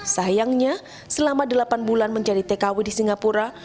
sayangnya selama delapan bulan menjadi tkw di singapura